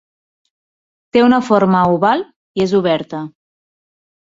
Té una forma oval i és oberta.